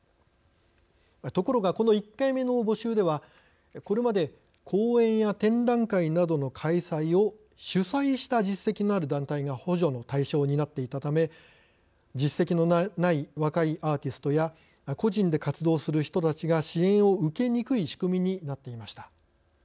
ところが、この１回目の募集ではこれまで公演や展覧会などの開催を主催した実績のある団体が補助の対象になっていたため実績のない若いアーティストや個人で活動する人たちが支援を受けにくい仕組みになっていました。